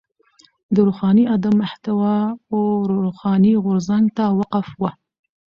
د روښاني ادب محتوا و روښاني غورځنګ ته وقف وه.